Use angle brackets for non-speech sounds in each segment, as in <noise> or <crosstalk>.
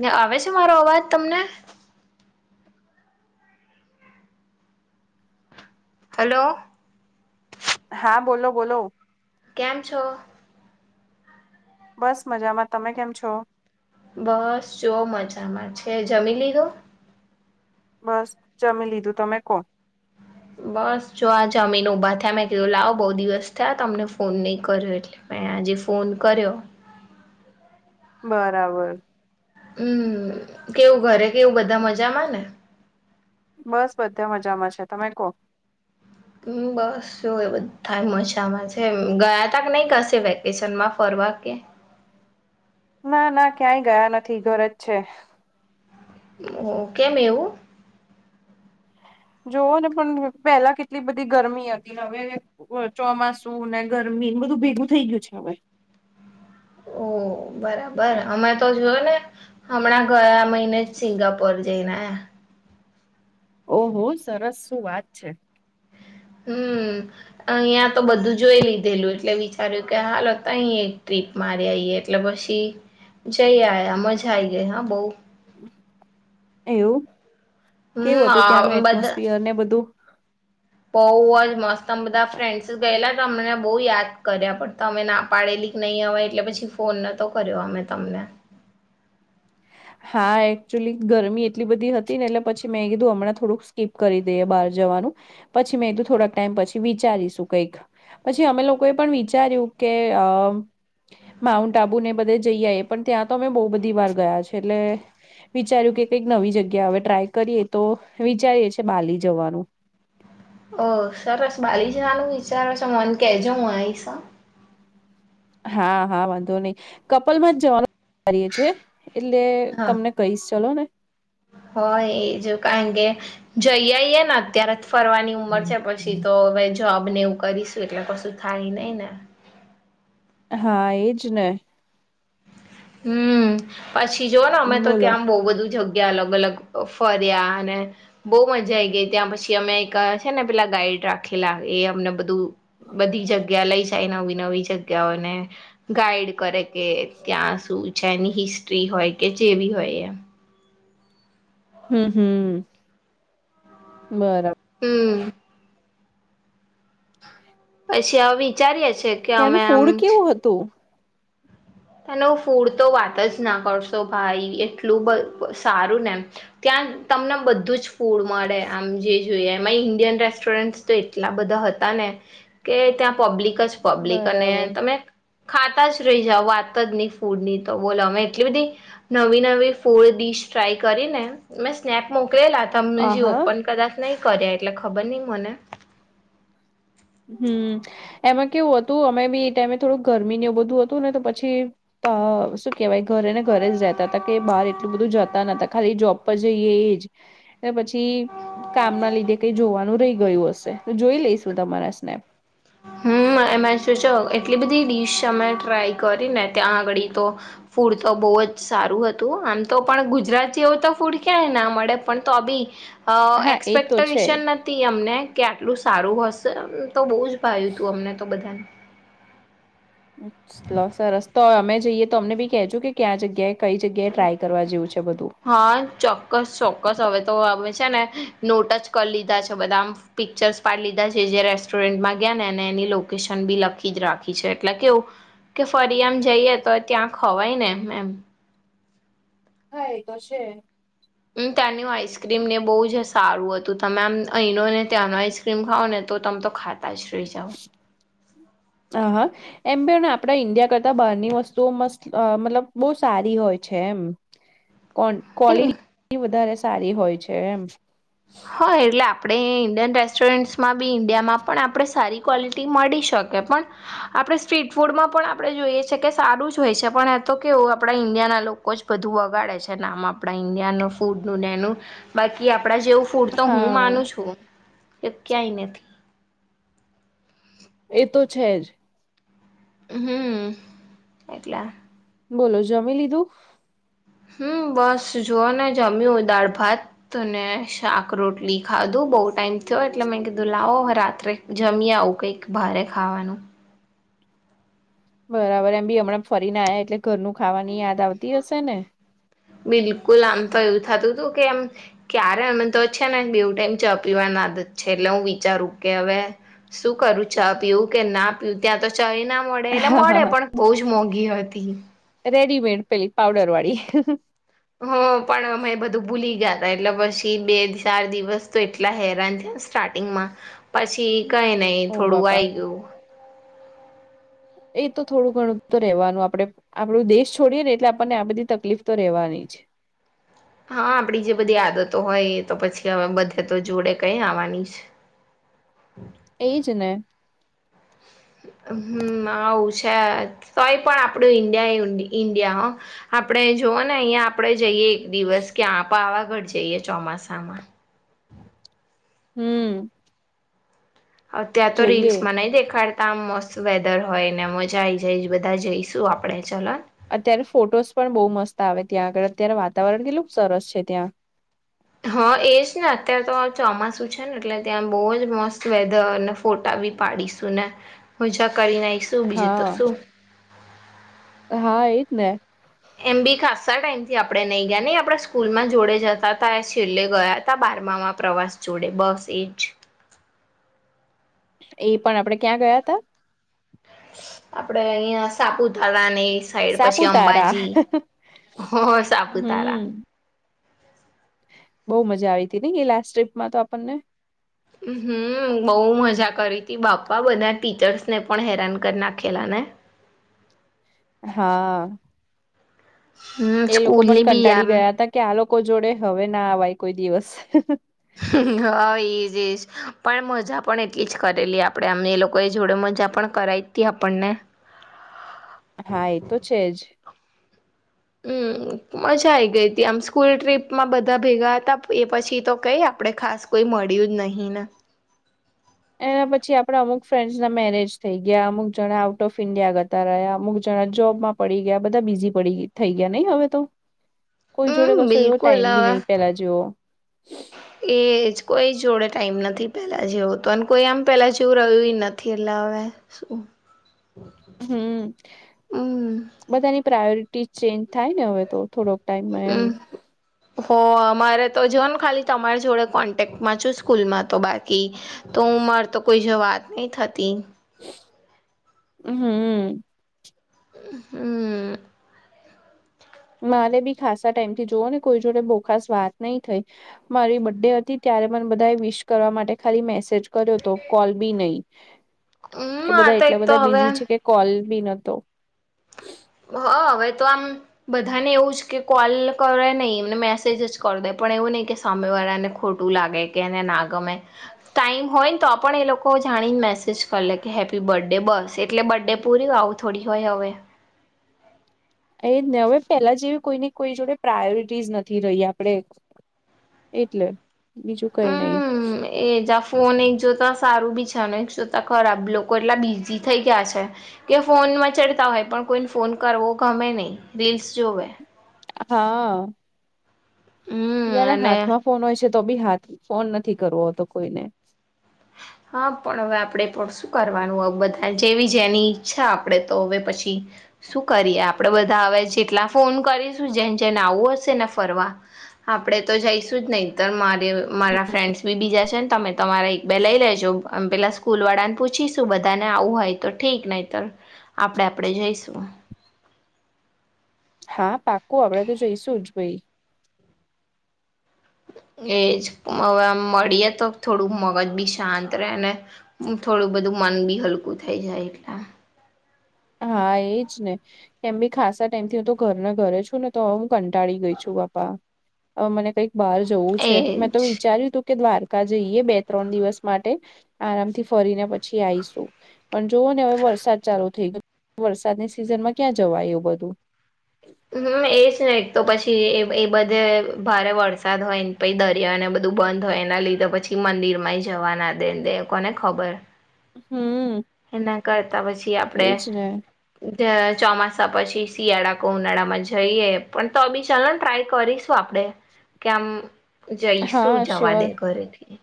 ને આવે છે મારો અવાજ તમને? હલો. હા, બોલો બોલો કેમ છો? બસ મજામાં, તમે કેમ છો? બસ જો મજામાં છે, જમી લીધું? બસ જમી લીધું, તમે કો. બસ જો આ જમીને ઉભા થયા, મેં કીધું લાવ બઉ દિવસ થયા, તમને ફોન નહી કર્યો એટલે મે આજે ફોન કર્યો. બરાબર. હમ્મ, કેવું ઘરે કેવું બધા મજામાં ને? બસ બધા મજામાં છે, તમે કો? બસ જો એ બધાય મજામાં છે, ગયા તા કે નઈ કશે વેકેશનમાં ફરવા કે? ના ના ક્યાંય ગયા નથી ઘરે જ છે. ઓ, કેમ એવું? જોવ ને પણ પહેલા કેટલી બધી ગરમી હતી ને હવે ચોમાસુ ને ગરમી બધું ભેગું થઇ ગયું છે હવે. ઓ બરાબર અમાર તો જોવોને હમણાં ગયા મહિને જ સિંગાપોર જઈને આયા. ઓહો સરસ શું વાત છે. હમ અહીયાં તો બધું જોઈ લીધેલું એટલે વિચાર્યું કે હાલો તહીં એક ટ્રીપ મારે આઈએ એટલે પછી જઇ આયા મજા આવી ગઈ હા બહું. એવું હમ કેવું હતું આ ત્યાંનું એટમોસફિયર ને બધું બહુ જ મસ્ત તમે બધા ફ્રેન્ડ્સ ગયેલા અમને બહુ યાદ કર્યા પણ તો અમે ના પાડેલી કે નહીં અવાય એટલે પછી ફોન નતો કર્યો અમે તમને હા એકચુલી ગરમી એટલી બધી હતી ને એટલે પછી મેં કીધું હમણાં થોડુંક સ્કીપ કરી દઈએ બહાર જવાનું પછી મેં કીધું થોડાક ટાઈમ પછી વિચારીશું કંઈક પછી અમે લોકો એ પણ વિચાર્યું કે અ માઉન્ટ આબુ ને બધે જઈ આએ પણ ત્યાં તો અમે બહુ બધી વાર ગયા છે એટલે વિચાર્યું કે કંઈક નવી જગ્યા ટ્રાય કરીએ તો વિચારીએ છીએ બાલી જવાનું ઓ સરસ બાલી જવાનું વિચારો છો મન કેજો હું આઈશ હા હા વાંધો નહી કપલ માં જ જવાનું વિચારી એછે એટલે તમને કઈસ ચલો ને હો એજ કારણ કેે જઈ આઈએ ને અત્યારે જ ફરવાની ઉંમર છે પછી તો હવે જોબ ને એવું કરીશું એટલે કશું થાય નહી ને હા એજ ને હમ પછી જોઓ ને અમે તો બોલો ત્યાં બહુ બધું જગ્યા અલગ અલગ ફરયાને બહુ મજા આવી ગઈ ત્યાં પછી અમે છે ને પેલા ગાઈડ રાખેલા એ અમને બધું બધી જગ્યા લઈ જ નવી નવી જગ્યાઓને ગાઈડ કરે કે ત્યાં શું છે એની હિસ્ટ્રી હોય કે જેવી હોય એમ હમ હમ બરાબર હમ પછી હ વિચાર્યા છે કે અમે એનું આમ ફુડ કેવું હતું ત્યાંનુ ફૂડ તો વાત જ ના કરશો ભાઈ એટલું બધ સારું ને એમ ત્યાં તમને બધું જ ફૂડ મળે આમ જે જોઈએ એમાં ઇન્ડિયન રેસ્ટોરન્ટ એટલા બધા હતા ને કે ત્યાં પબ્લિક પબ્લિક અને બરાબર તમે ખાતા જ રહી જાઓ ન ફૂડ ની તો બોલો અમે એટલી બધી નવી નવી ફૂડ ડીશ ટ્રાય કરીને મેં સ્નેપ મોકલેલા હતી તમને આ જે હા ઓપન કદાચ નહીં કર્યા એટલે ખબર નહીં મને હમ એમાં કેવું હતું અમે બી એ ટાઈમે થોડું ગરમી બધું હતું ને તો પછી તો શું કેહેવાય ઘરે ને ઘરે જ રહેતા હતા કે બહાર એટલું બધું જતા ન હતા ખાલી જોબ પર જઈએ એ જ એ પછી કામ ના લીધે કઈ જોવાનું રહી ગયું હશે તો જોઈ લઈશું તમારા સ્નનેપ હમ એમાં જોજો એટલી બધી ડીશ અમે ટ્રાય કરીને ત્યાં આગળી તો ફૂડ તો બહુ જ સારું હતું આમ તો પણ ગુજરાતીવ તો ફૂડ ક્યાંય ના મળે પણ તો બી અ હા એ તો છે એક્સપેક્ટેશન નથી તી અમને કે આટલું સારું હશે. એમ તો બહુ જ ભાવ્યુંતું અમને તો બધાને લો સરસ! તો અમે જઈએ તો અમને બી કેજો કે ક્યાં જગ્યાએ કઈ જગ્યાએ ટ્રાય કરવા જેવું છે બધું? હા ચોક્કસ ચોક્કસ. હવે તો હમે છે ને નોટ જ કરી લીધા છે. બધાં આમ પિક્ચર્સ પાડી લીધા છે. જે રેસ્ટોરન્ટમાં ગ્યા ને અને એની લોકેશન બી લખીજ રાખી છે. એટલે કેવુ કે ફરી આમ જઈએ તો ત્યાં ખવાય ને એમ હા એતો છે. એમ ત્યાંની આઈસક્રીમ ને એ બહુ જ સારું હતું. તમે આમ અહીંનો ને ત્યાંનો આઈસ ક્રીમ ખાવ ને તો તમે તો ખાતા જ રઈ જાવ હ હા એમ પણ આપણા ઈન્ડિયા કરતા બહારની વસ્તુઓ મસ્ત મતલબ બહુ સારી હોય છે એમ. કોન એટલે કવોલિટી વધારે સારી હોય છે એમ. હા એટલે આપણે ઇન્ડિયન રેસ્ટોરન્ટ્સમાં બી ઇન્ડિયામાં પણ આપણે સારી ક્વોલિટી મળી શકે પણ આપણે સ્ટ્રીટફૂડમાં પણ આપણે જોઈએ છે કે સારું જ હોય છે. પણ એ તો કેવું આપણા ઈન્ડિયાના લોકો જ બધું બગાડે છે નામ આપણા ઈન્ડિયાનું ફૂડનું ને એનું. બાકી આપણા જેવું ફૂડ તો હું હા માનું છું કે ક્યાંય નથી. એ તો છે જ. હમ્મ એટલે બોલો જમી લીધું? હમ્મ બસ જોઓ ને જમ્યું. દાળ ભાત તને શાક રોટલી ખાધું. બઉ ટાઈમ થ્યો એટલે મેં કીધું લાવો હ રાત્રે જમ્યાઉ કંઈક ભારે ખાવાનું બરાબર એમ બી હમણાં ફરીને આયા એટલે ઘરનું ખાવાની યાદ આવતી હશે ને? બિલકુલ આમ તો એવું થાતું તું કે એમ ક્યારે અમે તો છે ને બેવું ટાઈમ ચ્હા પીવાના આદત છે. એટલે હું વિચારું કે હવે શું કરું? ચા પીવું કે ના પીવું? ત્યાં તો ચાય ના મળે એટલે હા હા મળે હા પણ બહુજ મોંઘી હતી. રેડીમેડ પેલી પાવડરવાળી હ પણ અમે બધું ભૂલી ગ્યાતા એટલે પછી બે ચાર દિવસ તો એટલા હેરાન થ્યાસ સ્ટાર્ટિંગમાં પછી કાઈ નહી ઓ થોડું બાપા આઈ ગ્યુ એ તો થોડું ઘણું તો રહેેવાનું આપડે આપણો દેશ છોડીએ ને એટલે આપણને આ બધી તકલીફ તો રહેવાની જ હા આપડી જે બધી આદતો હોય એ તો પછી હવે બધે તો જોડે કંઈ આવાની છ. એજને હમ્મ આવું છે. તોય પણ આપડું ઈન્ડિયા એ ઈન્ડિયા હો. આપણે જોવો ને અહિયાં આપણેે જઈએ એક દિવસ ક્યાં પાવાગઢ જઈએ ચોમાસામાં. હમ્મ અત્યાર તો રીલ્સમાં નહીં દેખાડ તાં મસ્ત વેધર હોય ને મજા આય જાય. બધા જઈશું આપડે ચલોન. અત્યારે ફોટોસ પણ બહુ મસ્ત આવે ત્યાં આગળ અત્યારે વાતાવરણ કેટલું સરસ છે ત્યાં. હા એ જ ને અત્યારે તો ચોમાસું છે ને એટલે ત્યાં બવજ મસ્ત વેધર ને ફોટા બી પાડીશું ને મજા કરીને આઈશું. બીજું તો હા શું? હા એજ ને એમ બી ખાસ્સા ટાઈમથી આપણે નહી ગ્યા નઇ. આપડા સ્કૂલમાં જોડે જતાતા છેલ્લે ગયાતા બારમામાં પ્રવાસ જોડે બસ એ જ એ પણ આપડે ક્યાં ગયા તા? આપડે અહિયાં સાપુતારા ને ઈસ સાઈડ પછી સાપુતારા. અંબાજી હ -સાપુતારા હમ બહુ મજા આવી તી નઈ એ લાસ્ટ ટ્રીપમાં તો આપણને હમમ બહુ મજા કરી તી બાપા બધા ટીચર્સ ને પણ હેરાન કરી નાખેલા ને હા હમ એ લોકો સ્કૂલની પણ બી કંટાળી આમ ગયા તા કે આ લોકો જોડે હવે ના અવાય કોઈ દિવસ હા એજ એજ પણ મજા પણ એટલી જ કરેલી આપડે આમ એ લોકો એ જોડે મજા પણ કરાય તી આપણને હા એ તો છે જ અમમમ મજા આઈ ગઈ હતી આમ સ્કૂલ ટ્રીપમાં બધાં ભેગા હતા એ પછી તો કઈ આપણે ખાસ કોઈ મળ્યું જ નહીં ને એના પછી આપડા અમુક ફ્રેન્ડ્સ મેરેજ થઈ ગયા અમુક જણા આઉટ ઓફ ઈન્ડિયા જતા રહ્યા અમુક જણા જોબમાં પડી ગયા બધા બીઝી પડી થઈ ગયા નહી હવે તો <inaudible> કોઈ જોડે કસો એવો બિલકુલ ટાઈમ બી નહી પેલા જેવો એ જ કોઈ જોડે ટાઈમ નથી પહેલાં જેવો તો અને કોઈ આમ પહેલાં જેવું રહ્યું નથી એટલે હવે શું હમમ હમ બધાની પ્રાયોરિટી ચેન્જ થાય ને હવે તો થોડોક ટાઈમમાં હઅઅ હ અમારે તો જોઓ ને ખાલી તમારી જોડે કોન્ટેક્ટમાં છું સ્કૂલમાં તો બાકી તો હું મારે તો કોઈ જાડે વાત નહીં થતી હમમ હમમ મારે બી ખાસા ટાઈમ થી જોઓ ને કોઈ જોડે બહુ ખાસ વાત નહી થઈ. મારી બર્ડે હતી ત્યારે મને બધાએ વિષ કરવા માટે ખાલી મેસેજ કર્યો હતો કોલ બી નહી હમમ કે આ બધા તો એક એટલા તો બધા હવે બિઝી છે કે કોલ બી નતો હહ હવે તો આમ બધાને એવું જ કે કોલ કરે નહીંને મેસેજ જ કરી દે પણ એવું નહી કે સામેવાળાને ખોટું લાગે કે એને ના ગમે ટાઈમ હોય ને તો પણ એ લોકો જાણીને મેસેજ કરી લે કે હેપી બર્થડે બસ એટલે બર્થડે પૂરી આવું થોડી હોય હવે એજ ને હવે પહેલા જેવી કોઈને કોઈ જોડે પ્રાયોરિટી નથી આપડે એટલે બીજું કંઈ નહી હમ એજ આ ફોન એક જોતા સારું બી છે અને એક જોતા ખરાબ લોકો એટલા બીઝી થઈ ગયા છે કે ફોનમાં ચડતા હોય પણ કોઈને ફોન કરવો ગમે નહી રીલ્સ જોવે હાઅઅ હમ જેના અને હાથમાં ફોન હોય છે તો બી હાથ ફોન નથી કરવો કોઈને હા પણ હવે આપણે પણ શું કરવાનું બધા જેવી જેની ઈચ્છા આપણેે તો હવે પછી શું કરીએ આપડે બધા હવે જેટલા ફોન કરીશું જેન જેને આવું હશે ને ફરવા આપડે તો જઈશું જ નહી મારે મારા ફ્રેન્ડ્સ બી બીજા છે ને તમે તમારા એક બે લઈ લેજો આમ પેલા સ્કૂલવાળા ને પૂછી શું બધા ને આવું હોય તો ઠીક નહી તો આપણે આપડે જઈશું હા પાકું આપડે તો જઈશું જ ભઈ. એજ હવે મળીએ, તો થોડુંક મગજ બી શાંત રેને. થોડું બધું મન બી હલકું થઈ જાય એટલા. હા એજ ને. એમ બી ખાસા ટાઈમ થી હું તો ઘરના ઘરે છું ને તો હું કંટાળી ગઈ છું બાપા. હવે મને કઈક બહાર જવું છે. મેં તો એજ વિચાર્યું તું કે દ્વારકા જઈએ બે ત્રણ દિવસ માટે આરામથી ફરીને પછી આઈશું. પણ જોવો ને હવે વરસાદ ચાલુ થઈ ગયો, વરસાદની સિઝનમાં ક્યાં જવાય એ બધું. હમ એજ ને એક તો પછી એ બધે ભારે વરસાદ હોય ને પહિ દરિયાને બધું બધું બંધ હોય એના લીધે પછી મંદિરમાં માય જવા ના દેને દે કોને ખબર. હમ એના કરતા પછી આપડે એજ ને ત્યાં ચોમાસા પછી શિયાળા ઉનાળામાં જઈએ પણ તો બી ચાલોને ટ્રાય કરીશું આપણેે કે આમ જઈ હા શું જવા શ્યોર દે ઘરેથી.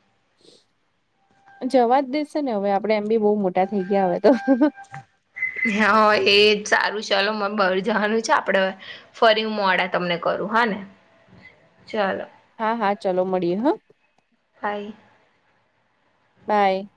જવા જ દેશે ને હવે આપડે એમ બી બહુ મોટા થઈ ગયા હવે તો. હા એજ સારું ચલો મન બાર જવાનું છે આપણે. ફરી હું મોડા તમને કરું હા ને! ચાલો. હા હા ચાલો મળીએ હો! હાય બાય